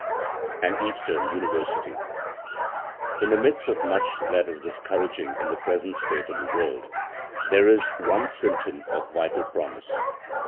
AN EASTERN UNIVERSITY In the midst of much that is discouraging in the present state of the world, there is one symptom of vital promise.